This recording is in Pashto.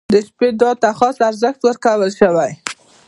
• د شپې دعا ته خاص ارزښت ورکړل شوی.